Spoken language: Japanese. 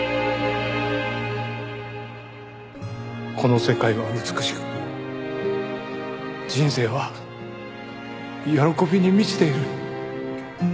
この世界は美しく人生は喜びに満ちている。